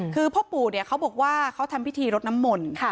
คือพ่อปู่เขาบอกว่าเขาทำพิธีรดน้ำมนต์